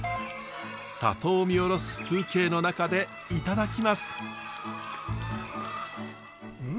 里を見下ろす風景の中でいただきます。